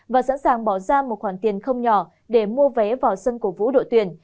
và sẵn sàng bỏ ra một khoản tiền không nhỏ để mua vé vào sân cổ vũ đội tuyển